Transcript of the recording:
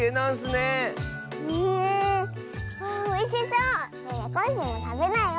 ねえコッシーもたべなよ！